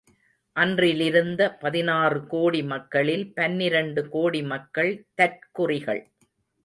அன்றிருந்த பதினாறு கோடி மக்களில் பன்னிரண்டு கோடி மக்கள் தற்குறிகள்.